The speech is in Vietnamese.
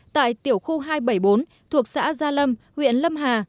tại tiểu khu hai trăm bảy mươi bốn thuộc xã gia lâm huyện lâm hà